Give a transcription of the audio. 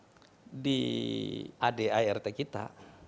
jadi di adirt kita